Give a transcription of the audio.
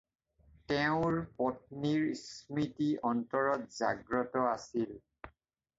তেওঁৰ পত্নীৰ স্মৃতি অন্তৰত জাগ্ৰত আছিল।